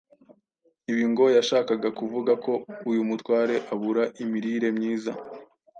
Ibi ngo yashakaga kuvuga ko uyu mutware abura imirire myiza